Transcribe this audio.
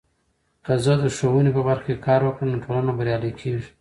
که زه د ښوونې په برخه کې کار وکړم، نو ټولنه بریالۍ کیږي.